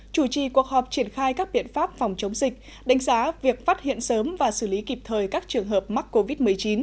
chủ trì cuộc họp triển khai các biện pháp phòng chống dịch đánh giá việc phát hiện sớm và xử lý kịp thời các trường hợp mắc covid một mươi chín